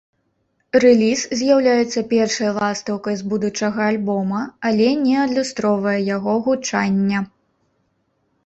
Рэліз з'яўляецца першай ластаўкай з будучага альбома, але не адлюстроўвае яго гучання.